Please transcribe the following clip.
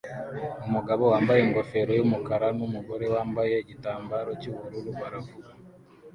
Umugabo wambaye ingofero yumukara numugore wambaye igitambaro cyubururu baravuga